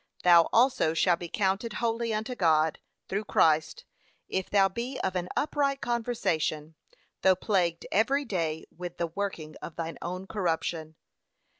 Thou also shalt be counted holy unto God, through Christ, if thou be of an upright conversation; though plagued every day with the working of thine own corruption.